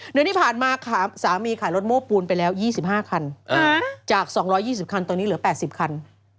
เดือนที่ผ่านมาสามีขายรถโม้ปูนไปแล้ว๒๕คันจาก๒๒๐คันตอนนี้เหลือ๘๐คัน